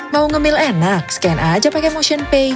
mau nge mail enak scan aja pake motion pay